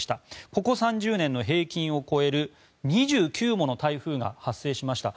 ここ３０年の平均を超える２９もの台風が発生しました。